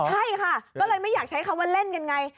ใช่ค่ะก็เลยไม่อยากใช้คำว่าเล่นกันไง